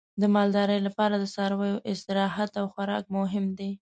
د مالدارۍ لپاره د څارویو استراحت او خوراک مهم دی.